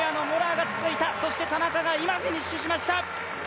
そして田中が今、フィニッシュしました。